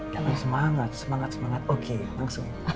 jangan semangat semangat oke langsung